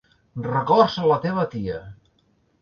Records a la teva tia!